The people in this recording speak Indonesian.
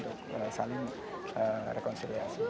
untuk saling rekonsiliasi